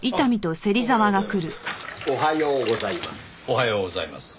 おはようございます。